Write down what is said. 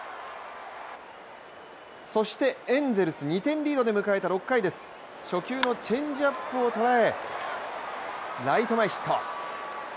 そしてエンゼルス２点リードで迎えた６回です、初球のチェンジアップを捉えライト前ヒット。